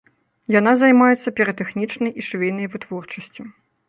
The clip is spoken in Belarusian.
Яна займаецца піратэхнічнай і швейнай вытворчасцю.